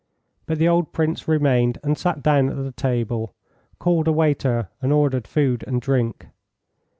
But the old Prince remained and sat down at the table, called a waiter, and ordered food and drink.